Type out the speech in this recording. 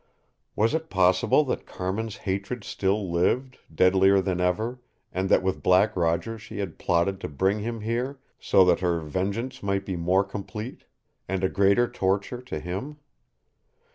Was it possible that Carmin's hatred still lived, deadlier than ever, and that with Black Roger she had plotted to bring him here so that her vengeance might be more complete and a greater torture to him?